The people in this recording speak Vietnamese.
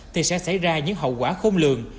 thì sẽ xảy ra những hậu quả không lường